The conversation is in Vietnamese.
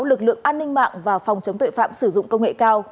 lực lượng an ninh mạng và phòng chống tội phạm sử dụng công nghệ cao